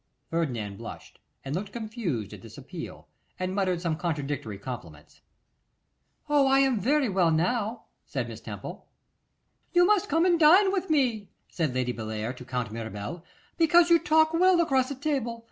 Ferdinand blushed, and looked confused at this appeal, and muttered some contradictory compliments. 'Oh! I am very well now,' said Miss Temple. 'You must come and dine with me,' said Lady Bellair to Count Mirabel, 'because you talk well across a table.